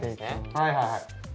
はいはい。